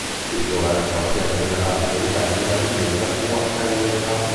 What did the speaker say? Qui, dove era il quartier generale dei ribelli, la difesa fu accanita.